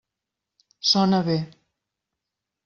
Sona bé.